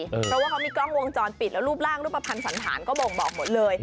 เพราะว่าเขามีกล้องวงจรปิดแล้วรูปร่างรูปภัณฑ์สันธารก็บ่งบอกหมดเลย